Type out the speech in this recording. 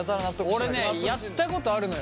俺ねやったことあるのよ